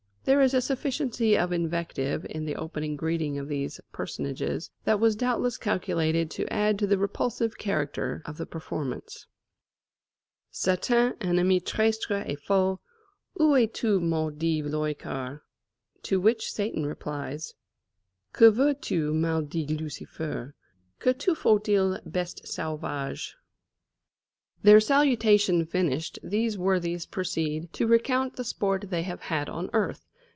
There is a sufficiency of invective in the opening greeting of these personages that was doubtless calculated to add to the repulsive character of the performance: "Sathan, ennemy traistre et faulx, Où es tu mauldict loricart?" To which Satan replies: "Que veulx tu, mauldict Lucifer? Que te fault il, beste saulvaige?" Their salutation finished, these worthies proceed to recount the sport they have had on earth.